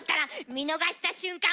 見逃した瞬間。